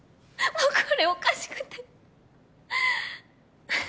もうこれおかしくて。